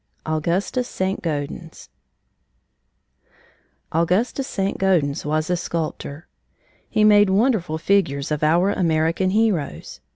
AUGUSTUS ST. GAUDENS Augustus St. Gaudens was a sculptor. He made wonderful figures of our American heroes.